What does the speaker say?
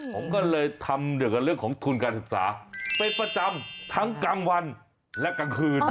ผมก็เลยทำเกี่ยวกับเรื่องของทุนการศึกษาเป็นประจำทั้งกลางวันและกลางคืน